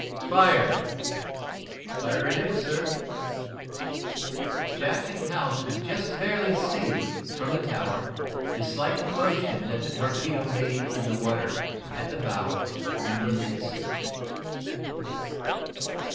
"Fire!" "Fire it is, sir." Jack and Hal could just barely see, from the tower, the slight commotion that the torpedo made in the water at the bow when released.